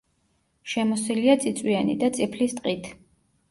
შემოსილია წიწვიანი და წიფლის ტყით.